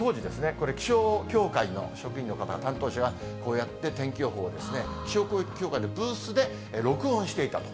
これ、気象協会の職員の方、担当者がこうやって天気予報を、気象協会のブースで録音していたと。